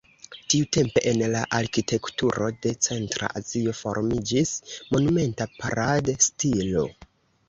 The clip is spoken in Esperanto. Tiutempe en la arkitekturo de Centra Azio formiĝis monumenta parad-stilo.